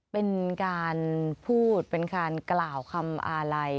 เป็นการพูดเป็นการกล่าวคำอาลัย